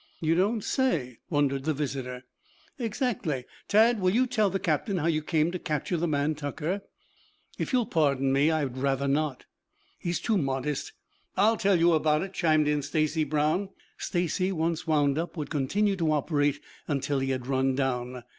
"You don't say!" wondered the visitor. "Exactly. Tad, will you tell the captain how you came to capture the man Tucker?" "If you will pardon me, I would rather not." "He's too modest. I'll tell you about it," chimed in Stacy Brown. Stacy, once wound up, would continue to operate until he had run down.